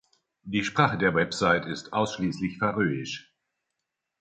Die Sprache der Website ist ausschließlich Färöisch.